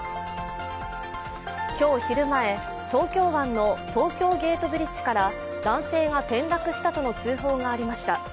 今日昼前、東京湾の東京ゲートブリッジから男性が転落したとの通報がありました。